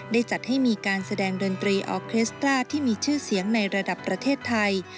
จัดให้มีการแสดงดนตรีออเครสตราที่มีชื่อเสียงในระดับประเทศไทย